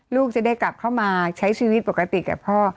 ลูกจะได้กลับเข้ามาใช้ชีวิตปกติกับพ่อ